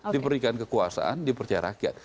diberikan kekuasaan dipercaya rakyat